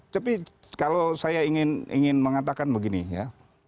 tapi kalau saya ingin mengatakan begini ya